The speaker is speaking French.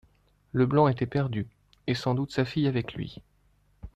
Leblanc était perdu, et sans doute sa fille avec lui.